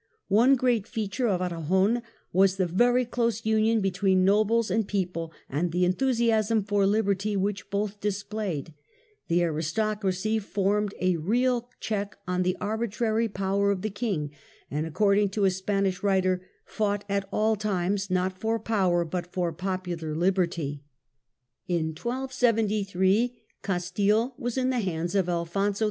One great feature of Aragon was the very close union between nobles and people and the enthusiasm for liberty which both dis played ; the aristocracy formed a real check on the arbitrary power of the King, and according to a Spanish writer :" fought at all times not for power, but for popular liberty ". History of In 1273 Castilc was in the hands of Alfonso X.